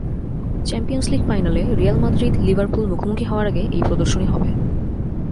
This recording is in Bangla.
চ্যাম্পিয়নস লিগ ফাইনালে রিয়াল মাদ্রিদ লিভারপুল মুখোমুখি হওয়ার আগে এই প্রদর্শনী হবে।